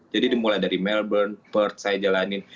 jadi mulai dari melbourne perth saya jalanin